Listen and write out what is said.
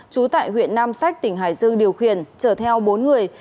trú tại huyện nam sách tỉnh hải dương điều khiển chở theo bốn người